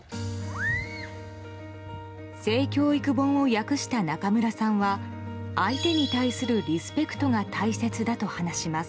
性教育本を訳した中村さんは相手に対するリスペクトが大切だと話します。